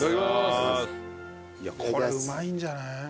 これうまいんじゃない？